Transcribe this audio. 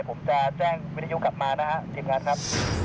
ผมจะแจ้งวิทยุกลับมานะฮะทีมงานครับ